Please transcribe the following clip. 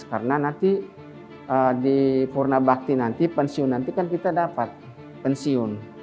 karena nanti di purna bakti nanti pensiun nanti kan kita dapat pensiun